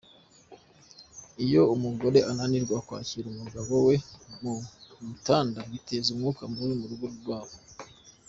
Iyo umugore ananirwa kwakira umugabo we mu gitanda, biteza umwuka mubi mu rugo rwabo.